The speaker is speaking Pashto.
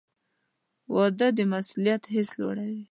• واده د مسؤلیت حس لوړوي.